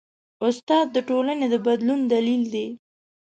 استاد د ټولنې د بدلون دلیل دی.